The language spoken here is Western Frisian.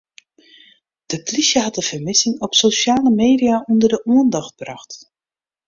De plysje hat de fermissing op sosjale media ûnder de oandacht brocht.